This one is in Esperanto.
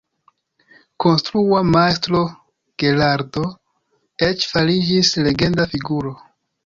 Konstrua Majstro Gerardo eĉ fariĝis legenda figuro.